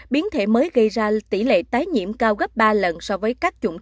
biến thể mới gây ra tỷ lệ tái nhiễm cao gấp ba lần so với các dụng trực